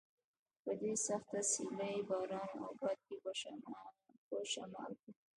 په دې سخته سیلۍ، باران او باد کې په شمال کې.